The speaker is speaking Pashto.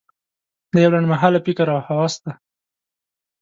دا یو لنډ مهاله فکر او هوس دی.